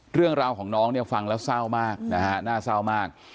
เรื่องราวของน้องเนี่ยฟังแล้วเศร้ามากนะฮะน่าเศร้ามาก